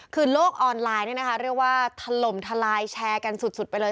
คือโลกออนไลน์เรียกว่าถล่มทลายแชร์กันสุดไปเลย